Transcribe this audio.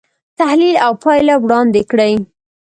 تحلیل او پایله وړاندې کړي.